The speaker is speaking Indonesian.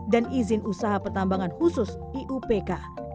izin usaha pertambangan khusus iupk